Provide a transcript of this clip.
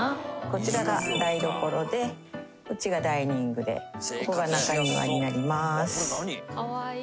こちらが台所でこっちがダイニングでここが中庭になります。